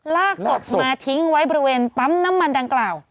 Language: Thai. ลากศพมาทิ้งไว้บริเวณปั๊มน้ำมันดังกล่าว